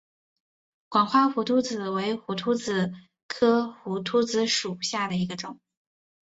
管花胡颓子为胡颓子科胡颓子属下的一个种。